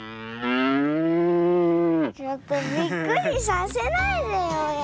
ちょっとびっくりさせないでよやるから。